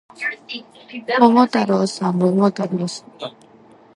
桃太郎さん、桃太郎さん